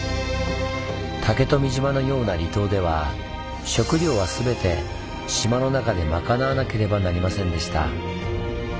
竹富島のような離島では食糧は全て島の中でまかなわなければなりませんでした。